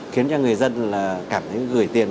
khiến cho người dân cảm thấy gửi tiền